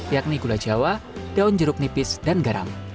yakni gula jawa daun jeruk nipis dan garam